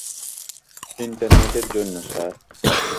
ইন্টারনেটের জন্য, স্যার।